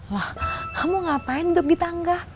lah kamu ngapain untuk di tangga